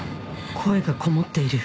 声がこもっている